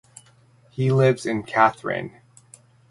He lives in Kathryn.